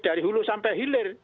dari hulu sampai hilir